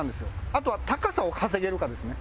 あとは高さを稼げるかですね。